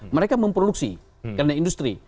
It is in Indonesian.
mereka memproduksi karena industri